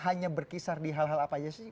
hanya berkisar di hal hal apa saja sih